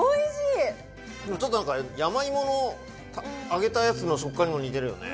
ちょっとなんか山芋の揚げたやつの食感にも似てるよね。